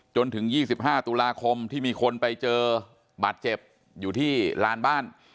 จนถึง๒๕ตุลาคมที่มีคนไปเจอบาดเจ็บอยู่ที่ลานบ้าน